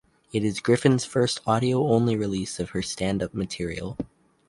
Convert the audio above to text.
It is Griffin's first audio-only release of her stand-up material.